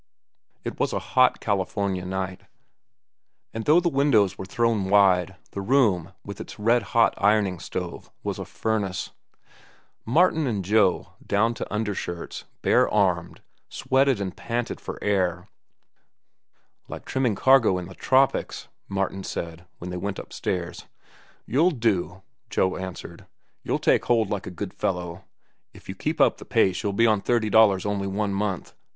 It was a hot California night, and though the windows were thrown wide, the room, with its red hot ironing stove, was a furnace. Martin and Joe, down to undershirts, bare armed, sweated and panted for air. "Like trimming cargo in the tropics," Martin said, when they went upstairs. "You'll do," Joe answered. "You take hold like a good fellow. If you keep up the pace, you'll be on thirty dollars only one month.